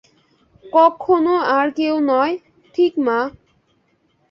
ককখনো আর কেউ নয়, ঠিক মা!